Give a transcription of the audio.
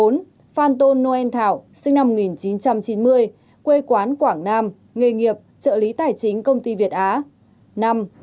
bốn phan tôn noel thảo sinh năm một nghìn chín trăm chín mươi quê quán quảng nam nghề nghiệp trợ lý tài chính công ty việt á